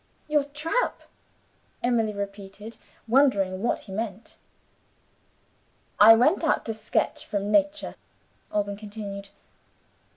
"Your trap?" Emily repeated, wondering what he meant. "I went out to sketch from Nature," Alban continued.